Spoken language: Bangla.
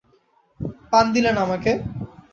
পান দিলে না আমাকে?